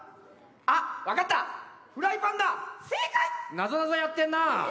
なぞなぞやってんな。